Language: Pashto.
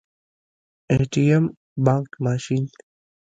🏧 بانګ ماشین